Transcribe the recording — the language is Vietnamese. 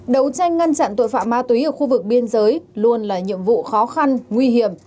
đấu tranh ngăn chặn tội phạm ma túy ở khu vực biên giới luôn là nhiệm vụ khó khăn nguy hiểm